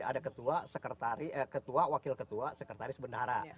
ada ketua wakil ketua sekretaris bendahara